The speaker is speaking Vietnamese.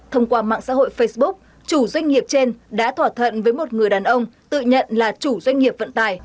thông qua mạng xã hội facebook chủ doanh nghiệp trên đã thỏa thuận với một người đàn ông tự nhận là chủ doanh nghiệp vận tài